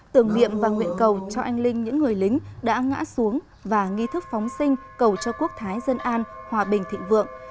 tưởng niệm và nguyện cầu cho anh linh những người lính đã ngã xuống và nghi thức phóng sinh cầu cho quốc thái dân an hòa bình thịnh vượng